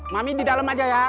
mami di dalam aja ya